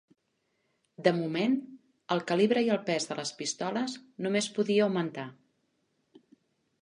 De moment, el calibre i el pes de les pistoles només podia augmentar.